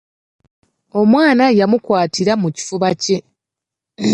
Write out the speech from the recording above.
Omwana yamukwatira mu kifuba kye.